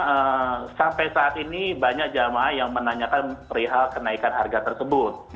nah sampai saat ini banyak jamaah yang menanyakan perihal kenaikan harga tersebut